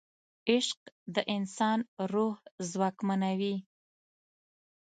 عشق د انسان روح ځواکمنوي.